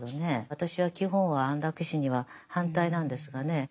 私は基本は安楽死には反対なんですがね。